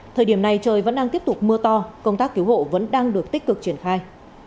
thời điểm này trời vẫn đang tiếp tục mưa to công tác cứu hộ vẫn đang được tích cực triển khai